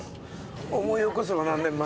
思い起こせば何年前？